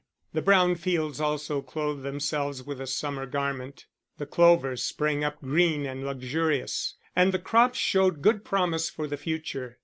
The brown fields also clothed themselves with a summer garment; the clover sprang up green and luxurious, and the crops showed good promise for the future.